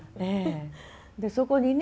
でそこにね